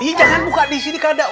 eh iya jangan buka di sini kak